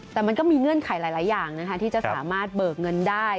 แต่มันก็มีเงื่อนไขหลายอย่างนะคะที่จะสามารถเบิกเงินได้